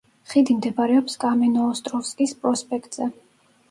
ხიდი მდებარეობს კამენოოსტროვსკის პროსპექტზე.